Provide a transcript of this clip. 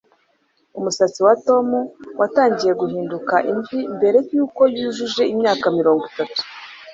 Umusatsi wa Tom watangiye guhinduka imvi mbere yuko yujuje imyaka mirongo itatu